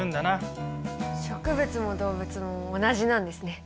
植物も動物も同じなんですね。